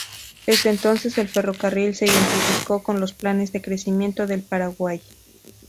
Desde entonces el ferrocarril se identificó con los planes de crecimiento del Paraguay.